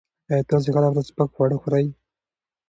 ایا تاسو هره ورځ سپک خواړه خوري؟